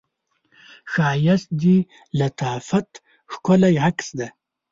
ښایست د لطافت ښکلی عکس دی